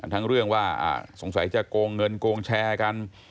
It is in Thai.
ทั้งเรื่องว่าสงสัยจะโกงเงินโกงแชร์กัน